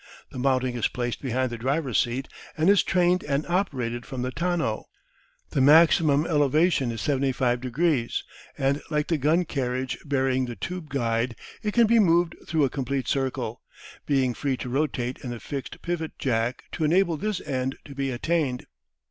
The mounting is placed behind the driver's seat, and is trained and operated from the tonneau. The maximum elevation is 75 degrees, and like the gun carriage bearing the tube guide it can be moved through a complete circle, being free to rotate in the fixed pivot jack to enable this end to be attained.